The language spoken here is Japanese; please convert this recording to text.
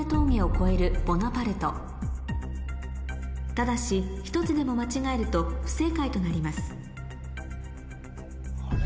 ただし１つでも間違えると不正解となりますあれ？